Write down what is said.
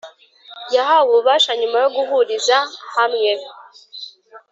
yahawe ububasha nyuma yo guhuriza hamwe